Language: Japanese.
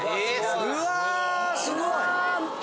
・うわすごい・うわ！